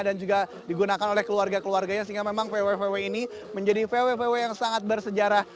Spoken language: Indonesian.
dan juga digunakan oleh keluarga keluarganya sehingga memang vw vw ini menjadi vw vw yang sangat bersejarah